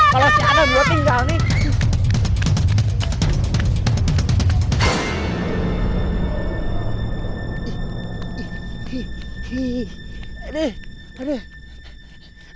malah si anang juga tinggal nih